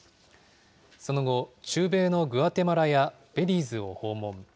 その後、中米のグアテマラやベリーズを訪問。